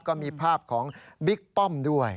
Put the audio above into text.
ก็มีภาพของบิ๊กป้อมด้วย